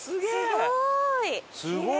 すごい！